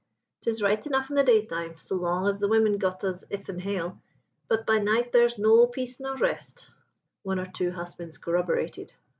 'Tis right enough in the daytime, so long as the women got us 'ithin hail, but by night there's no peace nor rest.' "One or two husbands corroborated.